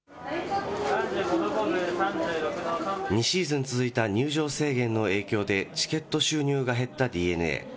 ２シーズン続いた入場制限の影響で、チケット収入が減ったＤｅＮＡ。